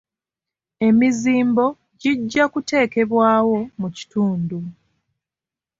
Emizimbo gijja kuteekebwawo mu kitundu.